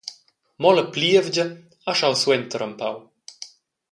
Mo la plievgia ha schau suenter empau.